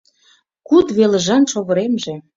Куд велыжан шовыремже